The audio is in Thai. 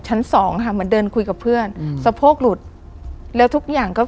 ชั้น๒มาเดินคุยกับเพื่อนสะโพกหลุดแล้วทุกอย่างก็